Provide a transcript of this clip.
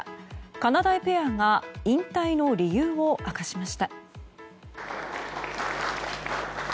かなだいペアが引退の理由を明かしました。